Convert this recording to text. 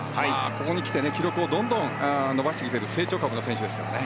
ここにきて、記録をどんどん伸ばしてきている成長株の選手ですからね。